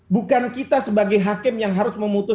bukan kita sebagai hakim yang harus memutus